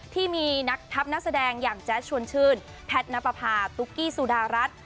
ที่มีทัพนักแสดงอย่างแจ๊ดชวนชื่นแพทนปภาตุ๊กกี้สุดารัส